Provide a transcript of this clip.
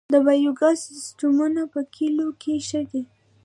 د بایو ګاز سیستمونه په کلیو کې ښه دي